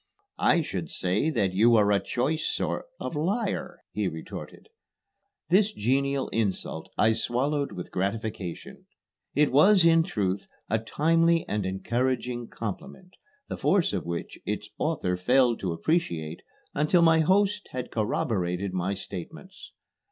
"I should say that you are a choice sort of liar," he retorted. This genial insult I swallowed with gratification. It was, in truth, a timely and encouraging compliment, the force of which its author failed to appreciate until my host had corroborated my statements.